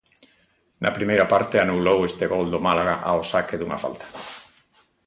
Na primeira parte anulou este gol do Málaga ao saque dunha falta.